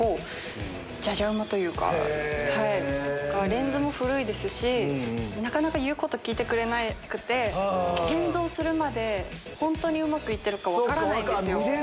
レンズも古いですしなかなか言うこと聞いてくれなくて現像するまで本当にうまく行ってるか分からない。